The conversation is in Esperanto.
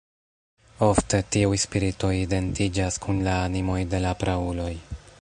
Ofte, tiuj spiritoj identiĝas kun la animoj de la prauloj.